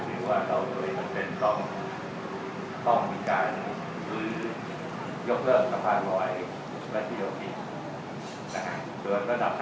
เวิ่งระดับขั้นตอนต่อไปก็แปร่าใหม่ซะตั้งคุณศัพท์ทางการรถไฟฟ้าและเรื่องการที่๖๘ทรงการ